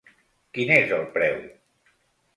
Quin és el preu?